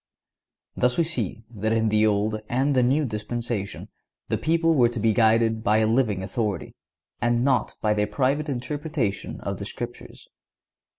(143) Thus we see that in the Old and the New Dispensation the people were to be guided by a living authority, and not by their private interpretation of the Scriptures.